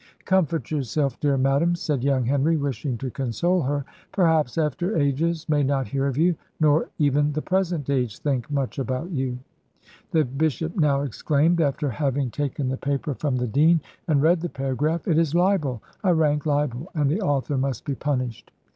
"Comfort yourself, dear madam," said young Henry, wishing to console her: "perhaps after ages may not hear of you; nor even the present age think much about you." The bishop now exclaimed, after having taken the paper from the dean, and read the paragraph, "It is a libel, a rank libel, and the author must be punished."